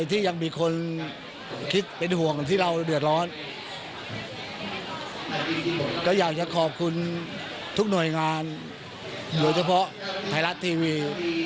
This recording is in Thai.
ทุกหน่วยงานโดยเฉพาะไทยรัฐทีวี